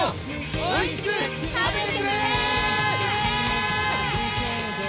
おいしく食べてくれ！